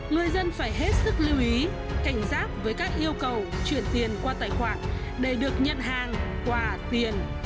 người dân phải hết sức lưu ý cảnh giác với các yêu cầu chuyển tiền qua tài khoản để được nhận hàng quà tiền